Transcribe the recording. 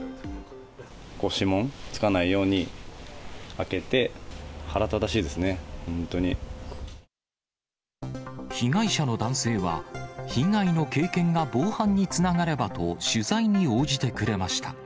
指紋つかないように、開けて、被害者の男性は、被害の経験が防犯につながればと取材に応じてくれました。